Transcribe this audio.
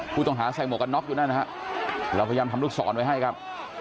ใส่หมวกกันน็อกอยู่นั่นนะฮะเราพยายามทำลูกศรไว้ให้ครับ